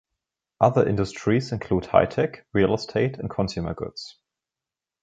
Other industries include high-tech, real estate, and consumer goods.